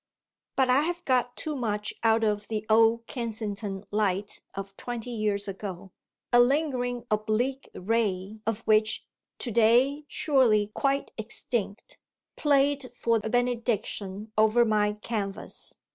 But I have got too much out of the "old" Kensington light of twenty years ago a lingering oblique ray of which, to day surely quite extinct, played for a benediction over my canvas.